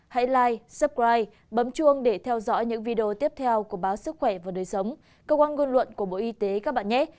hãy live supride bấm chuông để theo dõi những video tiếp theo của báo sức khỏe và đời sống cơ quan ngôn luận của bộ y tế các bạn nhét